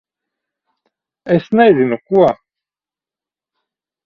Es nezinu ko...